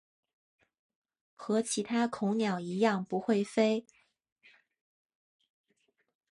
和其他恐鸟一样不会飞。